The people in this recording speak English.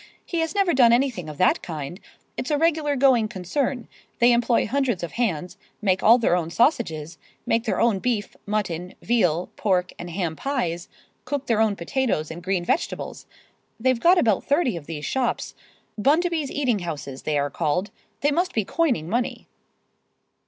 "He has never done anything of [Pg 115]that kind. It's a regular going concern—they employ hundreds of hands, make all their own sausages, make their own beef, mutton, veal, pork and ham pies, cook their own potatoes and green vegetables. They've got about thirty of these shops—Bundaby's Eating Houses they are called. They must be coining money."